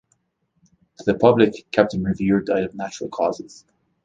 To the public, Captain Revere died of natural causes.